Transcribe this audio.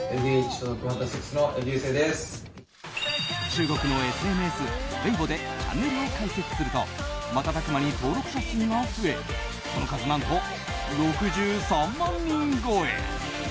中国のＳＮＳウェイボーでチャンネルを開設すると瞬く間に登録者数が増えその数何と６３万人超え。